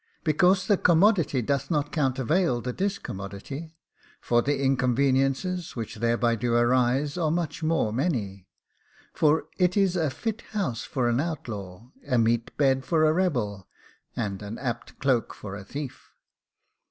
Because the commodity doth not countervail the discommodity; for the inconveniences which thereby do arise are much more many; for it is a fit house for an outlaw, a meet bed for a rebel, and an apt cloak for a thief.